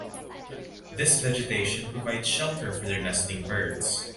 This vegetation provides shelter for the nesting birds.